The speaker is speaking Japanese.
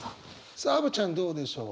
さあアヴちゃんどうでしょう。